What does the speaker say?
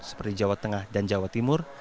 seperti jawa tengah dan jawa timur